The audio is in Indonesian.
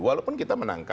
walaupun kita menangkap